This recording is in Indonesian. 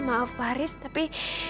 maaf pak haris tapi